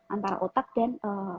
antara otak dan